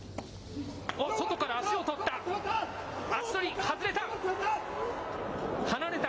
外から足を取った。